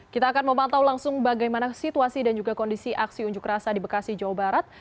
kita akan memantau langsung bagaimana situasi dan juga kondisi aksi unjuk rasa di bekasi jawa barat